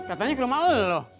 katanya ke rumah lo